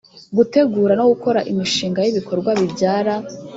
Gutegura no gukora imishinga y ibikorwa bibyara